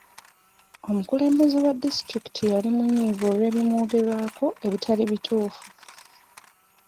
Omukulembeze wa disitulikiti yali munyiivu olw'ebimwogerwako ebitali bituufu.